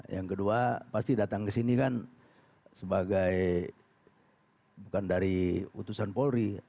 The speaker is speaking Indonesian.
yang kedua pasti datang ke sini kan sebagai bukan dari utusan polri